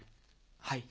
はい。